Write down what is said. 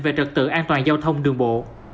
về trật tự an toàn giao thông đường bộ